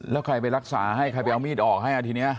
แล้วใครไปรักษาให้ใครไปเอามีดออกให้ทีนี้